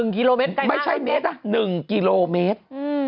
กิโลเมตรได้ไม่ใช่เมตรนะ๑กิโลเมตร